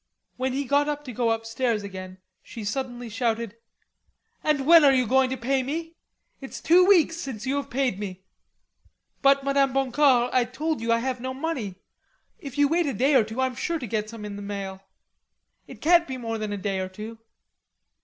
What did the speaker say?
When he got up to go upstairs again, she suddenly shouted: "And when are you going to pay me? It's two weeks since you have paid me." "But, Madame Boncour, I told you I had no money. If you wait a day or two, I'm sure to get some in the mail. It can't be more than a day or two."